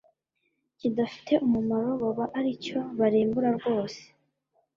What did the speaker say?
kidafite umumaro baba ari cyo barimbura rwose